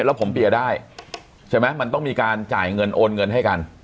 แล้วผมเปียร์ได้ใช่ไหมมันต้องมีการจ่ายเงินโอนเงินให้กัน